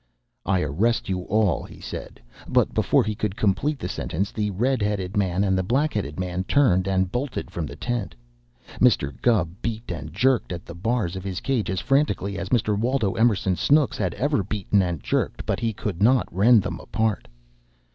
"I arrest you all," he said, but before he could complete the sentence, the red headed man and the black headed man turned and bolted from the tent. Mr. Gubb beat and jerked at the bars of his cage as frantically as Mr. Waldo Emerson Snooks had ever beaten and jerked, but he could not rend them apart.